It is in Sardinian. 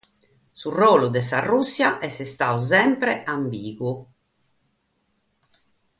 Su ruolu de sa Rùssia est istadu semper ambìguu.